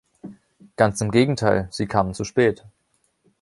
Ganz im Gegenteil, sie kamen zu spät.